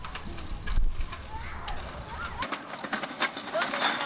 どうですか？